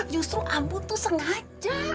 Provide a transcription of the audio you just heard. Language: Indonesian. justru abu tuh sengaja